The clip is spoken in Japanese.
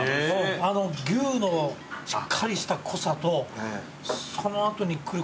牛のしっかりした濃さとその後に来る